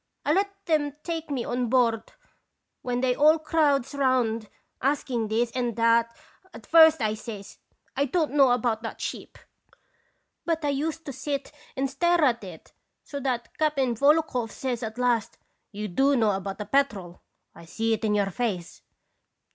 I let 'em take me on board. When they all crowds round, asking this and that, at first I says :"' I don't know about that ship.' 1 70 & radons faisilation. " But I used to sit and stare at it so that Cap'n Volokhoff says at last: "* You do know about the Petrel ; I see it in your face.'